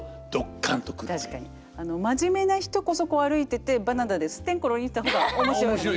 真面目な人こそこう歩いててバナナでスッテンコロリンした方が面白いですよね。